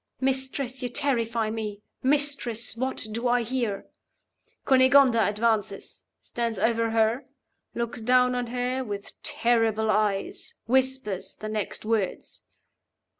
'Mistress, you terrify me. Mistress, what do I hear?' (Cunegonda advances, stands over her, looks down on her with terrible eyes, whispers the next words.)